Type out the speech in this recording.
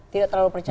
tidak terlalu percaya